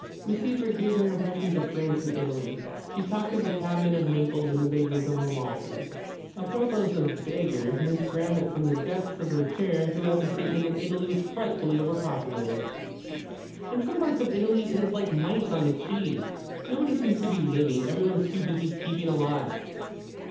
Miss Seyffert gave her impressions of France and Italy. She talked of the cabmen of Naples and the beggars of Amalfi. Apropos of beggars, Miss Grammont from the depths of her chair threw out the statement that Italy was frightfully overpopulated. "In some parts of Italy it is like mites on a cheese. Nobody seems to be living. Everyone is too busy keeping alive."